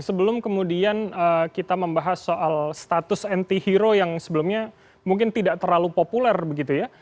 sebelum kemudian kita membahas soal status anti hero yang sebelumnya mungkin tidak terlalu populer begitu ya